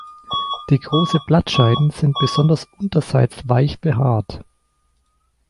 Die große Blattscheiden sind besonders unterseits weich behaart.